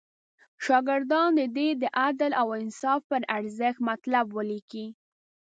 شاګردان دې د عدل او انصاف پر ارزښت مطلب ولیکي.